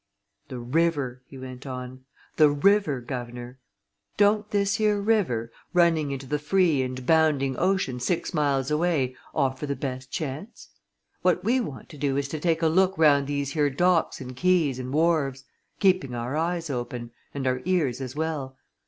"The river!" he went on. "The river, guv'nor! Don't this here river, running into the free and bounding ocean six miles away, offer the best chance? What we want to do is to take a look round these here docks and quays and wharves keeping our eyes open and our ears as well.